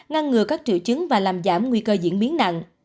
ngăn ngừa các triệu chứng và làm giảm nguy cơ diễn biến nặng